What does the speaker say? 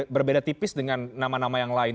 berbeda tipis dengan nama nama yang lain